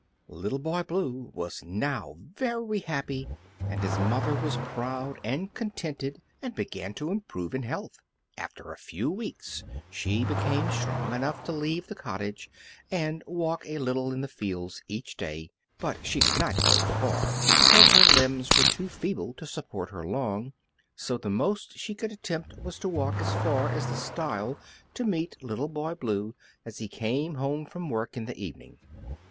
Little Boy Blue was now very happy, and his mother was proud and contented and began to improve in health. After a few weeks she became strong enough to leave the cottage and walk a little in the fields each day; but she could not go far, because her limbs were too feeble to support her long, so the most she could attempt was to walk as far as the stile to meet Little Boy Blue as he came home from work in the evening.